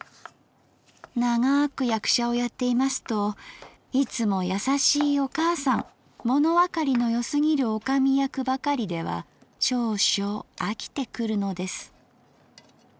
ながく役者をやっていますといつもやさしいお母さんものわかりのよすぎる女将役ばかりでは少々あきてくるのです」